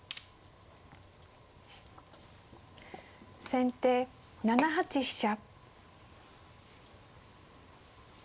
先手７八飛車。